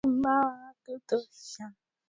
Napenda sauti yake